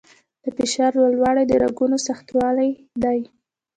د فشار لوړوالی د رګونو سختوالي دی.